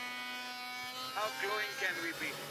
په قلم خط لیکل د سترګو او لاسونو همغږي زیاتوي.